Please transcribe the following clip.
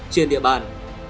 trên địa bàn